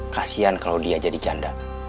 kasian kalau dia jadi janda